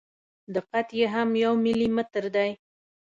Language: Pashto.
دقت یې هم یو ملي متر دی.